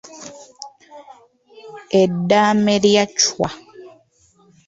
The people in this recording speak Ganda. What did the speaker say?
Eddaame lya Chwa.